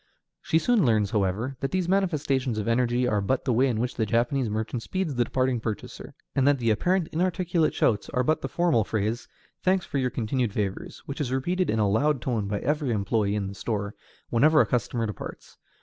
She soon learns, however, that these manifestations of energy are but the way in which the Japanese merchant speeds the departing purchaser, and that the apparently inarticulate shouts are but the formal phrase, "Thanks for your continued favors," which is repeated in a loud tone by every employee in the store whenever a customer departs.